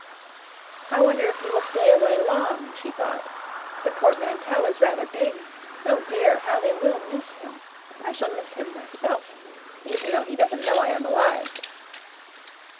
"I wonder if he will stay away long," she thought. "The portmanteau is rather big. Oh, dear, how they will miss him! I shall miss him myself even though he doesn't know I am alive."